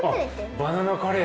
バナナカレー。